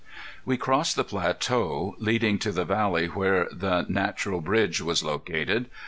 We crossed the plateau leading to the valley where the Natural Bridge was located.